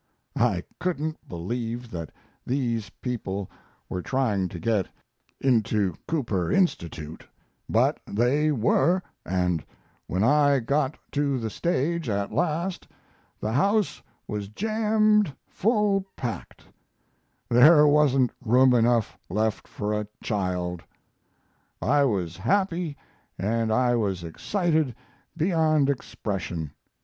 I couldn't believe that these people were trying to get into Cooper Institute; but they were, and when I got to the stage at last the house was jammed full packed; there wasn't room enough left for a child. "I was happy and I was excited beyond expression.